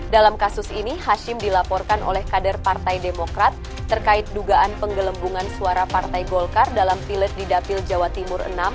dalam kasus ini hashim dilaporkan oleh kader partai demokrat terkait dugaan penggelembungan suara partai golkar dalam pilet di dapil jawa timur enam